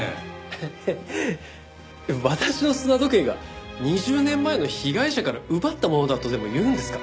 えっ私の砂時計が２０年前の被害者から奪ったものだとでもいうんですか？